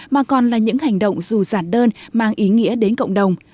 mà còn là những hành động dù giản đơn mang ý nghĩa đến cộng đồng